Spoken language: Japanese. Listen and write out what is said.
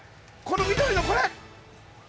この緑のこれ！